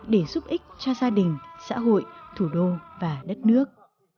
để giúp ích cho gia đình xã hội thủ đô và đất nước